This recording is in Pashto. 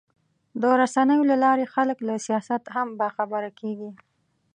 د رسنیو له لارې خلک له سیاست هم باخبره کېږي.